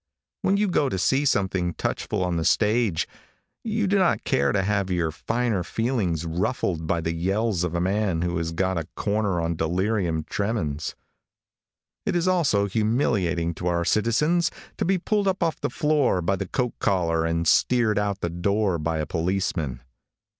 When you go to see something touchful on the stage, you do not care to have your finer feelings ruffled by the yells of a man who has got a corner on delirium tremens. It is also humiliating to our citizens to be pulled up off the floor by the coat collar and steered out the door by a policeman.